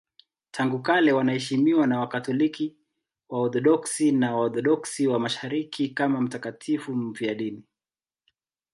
Tangu kale wanaheshimiwa na Wakatoliki, Waorthodoksi na Waorthodoksi wa Mashariki kama watakatifu wafiadini.